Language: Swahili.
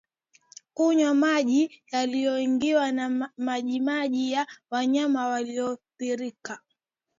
Kunywa maji yaliyoingiwa na majimaji ya wanyama walioathirika